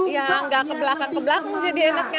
ya gak kebelakang kebelakang jadi enaknya